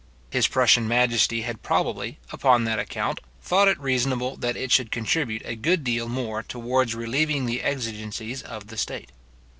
His Prussian majesty had probably, upon that account, thought it reasonable that it should contribute a good deal more towards relieving the exigencies of the state.